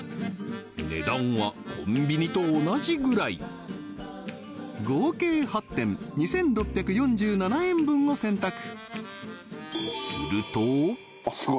値段はコンビニと同じぐらい合計８点２６４７円分を選択あっ